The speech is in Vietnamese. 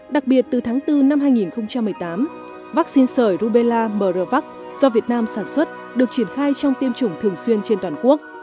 đặc biệt từ tháng bốn năm hai nghìn một mươi tám vaccine sởi rubella mrvac do việt nam sản xuất được triển khai trong tiêm chủng thường xuyên trên toàn quốc